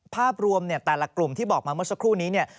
ภาพรวมแต่ละกลุ่มที่บอกมาเมื่อสักครู่นี้เนี่ย